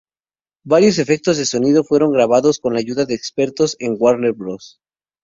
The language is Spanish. Varios efectos de sonido fueron grabados con la ayuda de expertos en Warner Bros.